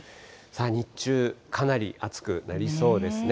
日中、かなり暑くなりそうですね。